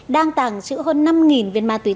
đang tàng trữ hơn năm viên ma túy